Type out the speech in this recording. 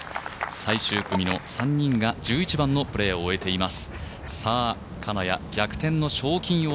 最終組の３人が１１番のプレーを終えています。